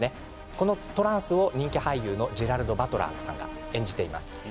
このトランス、人気俳優のジェラルド・バトラーさんが演じています。